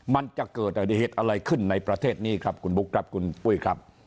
มันจะเกิดอริเหตุอะไรขึ้นในประเทศนี้ครับคุณบุ๊คครับคุณปุ้ยครับ